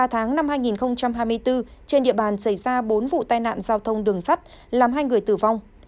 ba tháng năm hai nghìn hai mươi bốn trên địa bàn xảy ra bốn vụ tai nạn giao thông đường sắt làm hai người tử vong